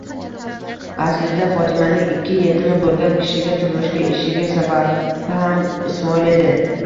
Aslida Fotimaning ikki yetimi bo'lgan kishiga turmushga ishiga sababham Ismoil edi.